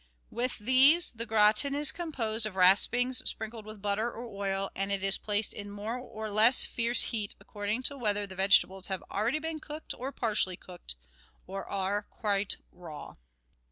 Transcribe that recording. With these the gratin is composed of raspings sprinkled with butter or oil, and it is placed in a more or less fierce heat according to whether the vegetables have already been cooked or partially cooked, or are quite raw.